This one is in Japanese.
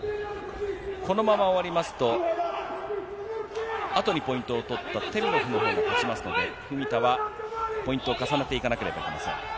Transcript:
このまま終わりますと、後にポイントを取ったテミロフのほうが勝ちますので、文田がポイントを重ねていかなければいけません。